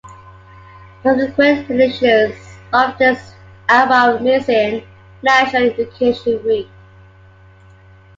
Subsequent editions of this album are missing "National Education Week".